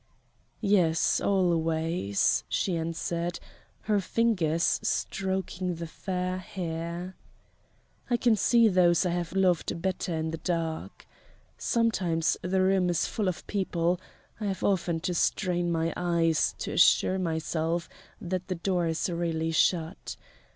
"Yes, always," she answered, her fingers stroking the fair hair. "I can see those I have loved better in the dark. Sometimes the room is full of people; I have often to strain my eyes to assure myself that the door is really shut.